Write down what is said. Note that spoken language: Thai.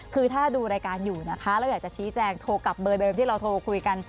คือถ้าดูรายการอยู่นะคะเราอยากจะชี้แจงโทรกลับเบอร์เดิมที่เราโทรคุยกัน